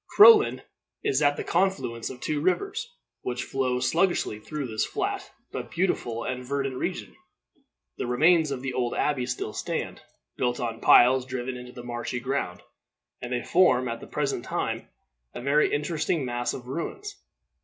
Crowland is at the confluence of two rivers, which flow sluggishly through this flat but beautiful and verdant region. The remains of the old abbey still stand, built on piles driven into the marshy ground, and they form at the present time a very interesting mass of ruins.